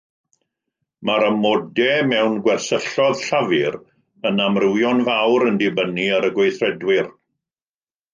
Mae'r amodau mewn gwersylloedd llafur yn amrywio'n fawr yn dibynnu ar y gweithredwyr.